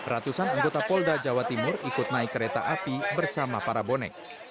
ratusan anggota polda jawa timur ikut naik kereta api bersama para bonek